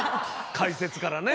解説からね。